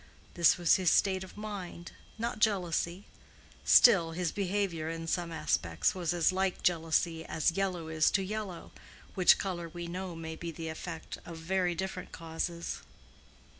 This was his state of mind—not jealousy; still, his behavior in some respects was as like jealousy as yellow is to yellow, which color we know may be the effect of very different causes.